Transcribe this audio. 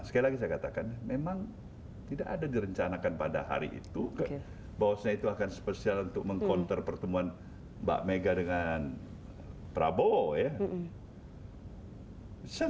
sekali lagi saya katakan memang tidak ada direncanakan pada hari itu bahwasannya itu akan spesial untuk meng counter pertemuan mbak mega dengan prabowo ya